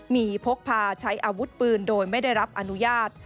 มีพกพาใช้อาวุธปืนโดยไม่ได้รับอนุญาต